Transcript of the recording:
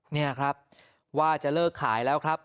นี่ครับว่าจะเลิกขายแล้วครับ